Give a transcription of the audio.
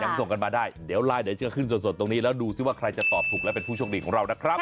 ส่งกันมาได้เดี๋ยวไลน์เดี๋ยวจะขึ้นสดตรงนี้แล้วดูซิว่าใครจะตอบถูกและเป็นผู้โชคดีของเรานะครับ